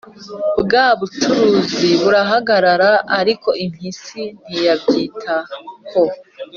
Bwa bucuruzi burahagarara ariko impyisi ntiyabyitaho